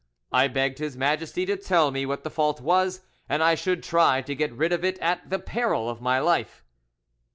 I begged His Majesty to tell me what the fault was, and I should try to get rid of it at, the peril of my life."